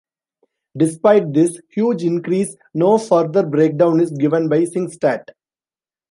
Despite this huge increase, no further breakdown is given by Singstat.